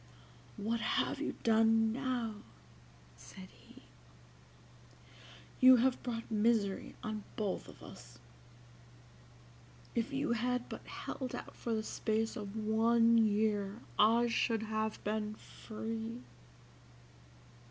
"What have you done now?" said he; "you have brought misery on both of us. If you had but held out for the space of one year I should have been free.